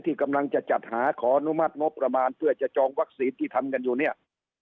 ที่กำลังจะจัดหาขออนุมัติงบประมาณเพื่อจะจองวัคซีนที่ทำกันอยู่เนี่ย